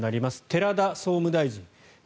寺田総務大臣。